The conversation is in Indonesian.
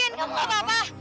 ken kamu gak apa apa